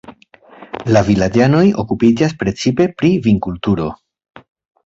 La vilaĝanoj okupiĝas precipe pri vinkulturo.